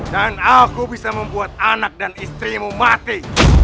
dan aku bisa membuat anak dan istrimu mati